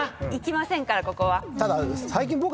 ただ。